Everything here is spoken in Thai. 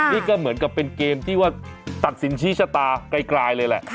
นี่ก็เหมือนกับเป็นเกมที่ว่าตัดสินชี้ชะตาไกลเลยแหละ